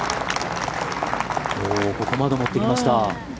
ここまで持ってきました。